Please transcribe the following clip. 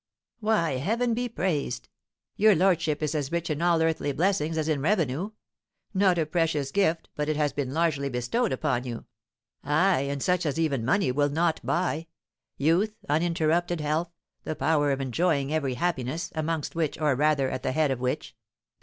"Why, heaven be praised, your lordship is as rich in all earthly blessings as in revenue. Not a precious gift but it has been largely bestowed upon you; ay, and such as even money will not buy: youth, uninterrupted health, the power of enjoying every happiness, amongst which, or, rather, at the head of which," said M.